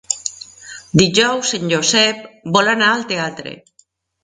Dijous en Josep vol anar al teatre.